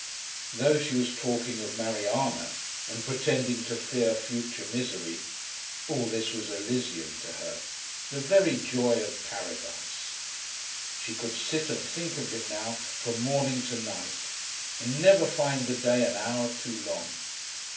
Though she was talking of Mariana, and pretending to fear future misery, all this was Elysium to her, the very joy of Paradise. She could sit and think of him now from morning to night, and never find the day an hour too long.